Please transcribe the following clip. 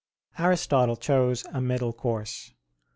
Aristotle chose a middle course.